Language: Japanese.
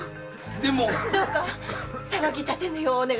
どうか騒ぎ立てぬようお願いします。